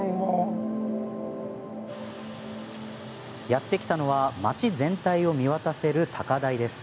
やって来たのは町全体を見渡せる高台です。